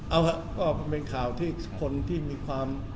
เอาครับก็เป็นข่าวที่คนที่มีความ